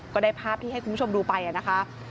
ก็ได้ภาพที่ให้คุณผู้ชมดูไปนะคะ